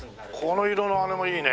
この色のあれもいいね